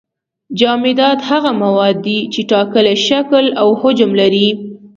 جامدات هغه مواد دي چې ټاکلی شکل او حجم لري.